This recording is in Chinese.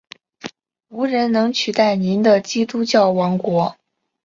无人能取代您的基督教王国！